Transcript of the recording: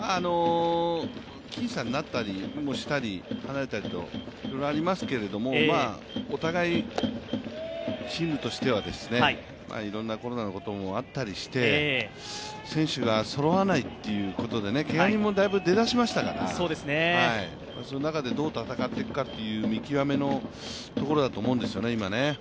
僅差になったり離れたりといろいろありますけどお互いチームとしては、いろいろなコロナのこともあったりして選手がそろわないということでけが人もだいぶ出だしましたからその中でどう戦っていくかという見極めのところだと思うんですよね、今。